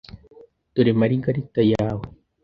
Dore margarita yawe.